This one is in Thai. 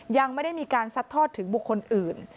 ยังไม่ได้มีการซัดทอดถึงบุคคลอื่น